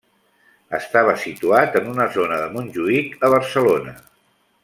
Estava situat en una zona de Montjuïc a Barcelona.